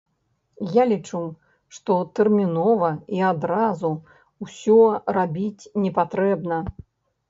Я лічу, што тэрмінова і адразу ўсё рабіць непатрэбна.